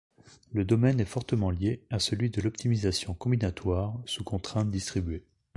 Le domaine est fortement lié à celui de l'optimisation combinatoire sous contraintes distribuées.